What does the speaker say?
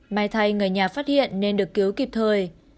may thay người nhà phát hiện nên được cứu kịp thời